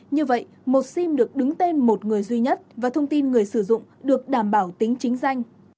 như vậy một sim được đứng tên một người duy nhất và thông tin người sử dụng được đảm bảo tính chính danh